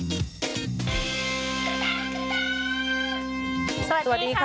เป็นลูกตัวเมื่อว่ามีคนให้ช่วย